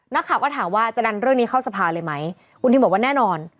นักข่าวก็ถามว่าจะนำเรื่องนี้เข้าสภาเลยไหมคุณทิมบอกว่าแน่นอน